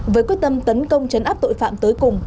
với quyết tâm tấn công chấn áp tội phạm tới cùng